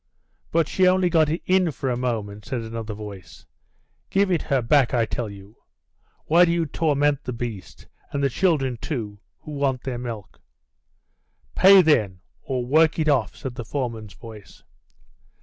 "But she only got in for a moment," said another voice. "Give it her back, I tell you. Why do you torment the beast, and the children, too, who want their milk?" "Pay, then, or work it off," said the foreman's voice.